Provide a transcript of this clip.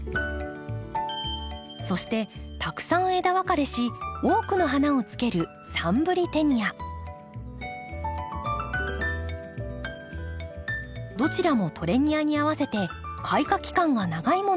そしてたくさん枝分かれし多くの花をつけるどちらもトレニアに合わせて開花期間が長いものを選びました。